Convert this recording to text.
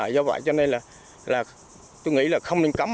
do vậy cho nên là tôi nghĩ là không nên cấm